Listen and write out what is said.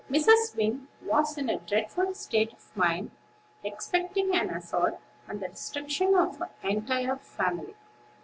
Mrs. Wing was in a dreadful state of mind, expecting an assault, and the destruction of her entire family.